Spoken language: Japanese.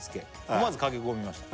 「思わず駆け込みました」